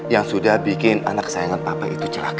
yang sudah bikin anak kesayangan papa itu cerah